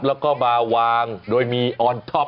แล้วก็มาวางโดยมีออนท็อป